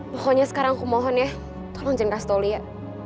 pokoknya sekarang aku mohon ya tolong jangan kasih tahu lia